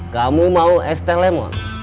kamu mau es teh lemon